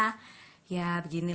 aku selalu lupa cara ngepin bagaimana